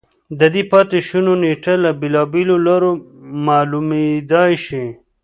د دې پاتې شونو نېټه له بېلابېلو لارو معلومېدای شي